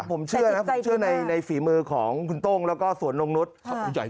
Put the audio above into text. ผมเชื่อในฝีมือของคุณโต้งและสวนโรงนุษย์